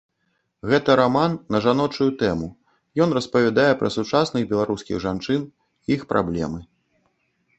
Гэта раман на жаночую тэму, ён распавядае пра сучасных беларускіх жанчын, іх праблемы.